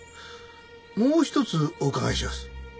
もう一つお伺いしやす。